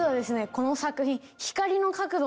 この作品。